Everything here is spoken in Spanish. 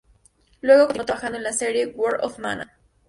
Luego continuó trabajando en la serie "World of Mana".